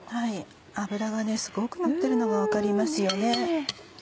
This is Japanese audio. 脂がすごくのってるのが分かりますよね。